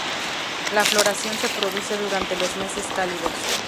La floración se produce durante los meses cálidos.